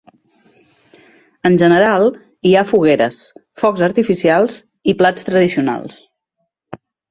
En general, hi ha fogueres, focs artificials i plats tradicionals.